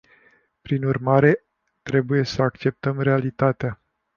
Prin urmare, trebuie să acceptăm realitatea.